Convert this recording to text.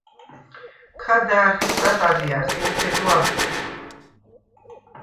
ქა და̄̈რ ხეწა̈დ ალჲა̈რს, იმთე დო ადჲეხ.